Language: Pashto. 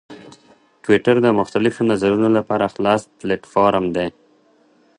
ټویټر د مختلفو نظرونو لپاره خلاص پلیټفارم دی.